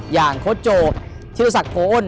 อย่างโค้ดโจธิริสักโภอ้น